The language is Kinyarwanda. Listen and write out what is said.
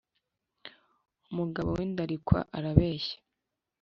umugabo w’indarikwa arabeshya